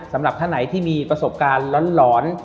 สำหรับท่านไหนที่มีประสบการณ์หลอน